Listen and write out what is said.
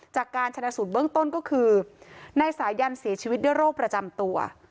จากการชนะสูตรเบื้องต้นก็คือนายสายันเสียชีวิตด้วยโรคประจำตัว